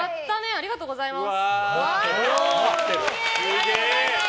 ありがとうございます！